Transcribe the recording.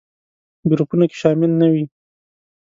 ګروپونو کې شامل نه وي.